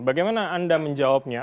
bagaimana anda menjawabnya